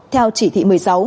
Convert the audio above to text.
theo chỉ thị một mươi sáu